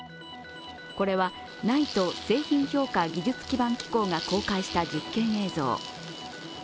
これはＮＩＴＥ＝製品評価技術基盤機構が公開した実験映像。